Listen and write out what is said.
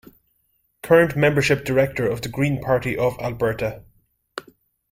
Current Membership Director of the Green Party of Alberta.